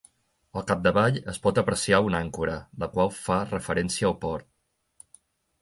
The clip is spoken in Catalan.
Al capdavall es pot apreciar una àncora, la qual fa referència al port.